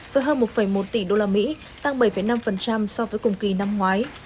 với hơn một một tỷ đô la mỹ tăng bảy năm so với cùng kỳ năm ngoái